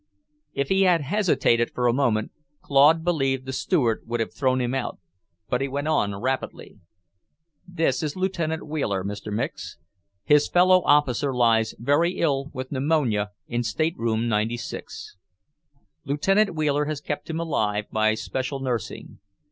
If he had hesitated for a moment, Claude believed the Steward would have thrown him out, but he went on rapidly. "This is Lieutenant Wheeler, Mr. Micks. His fellow officer lies very ill with pneumonia in stateroom 96. Lieutenant Wheeler has kept him alive by special nursing.